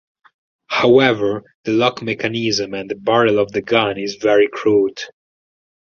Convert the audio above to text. However the lock mechanism and the barrel of the gun is very crude.